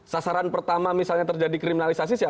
sasaran pertama misalnya terjadi kriminalisasi siapa